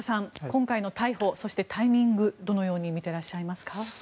今回の逮捕、そしてタイミングどのように見ていらっしゃいますか？